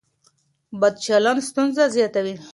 بد چلن ستونزه زیاتوي.